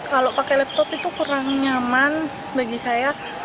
kalau pakai laptop itu kurang nyaman bagi saya